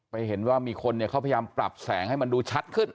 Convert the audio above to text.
เห็นว่ามีคนเนี่ยเขาพยายามปรับแสงให้มันดูชัดขึ้น